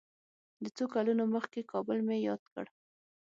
د څو کلونو مخکې کابل مې یاد کړ.